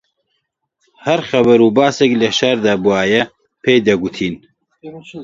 هەر خەبەر و باسێک لە شاردا بوایە پێی دەگوتین